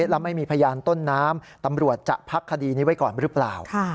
แล้วไม่มีพยานต้นน้ำตำรวจจะพักคดีนี้ไว้ก่อนหรือเปล่า